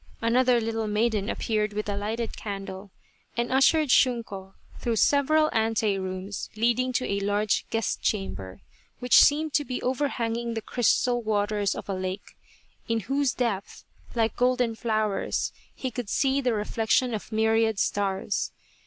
Another little maiden appeared with a lighted candle, and ushered Shunko through several anterooms leading to a large guest chamber, which seemed to be overhanging the crystal waters of a lake, in whose depth, like golden flowers, he could see the reflection of myriad stars.